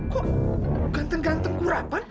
kok ganteng ganteng kurapan